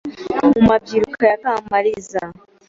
Mu mabyiruka ya Kamaliza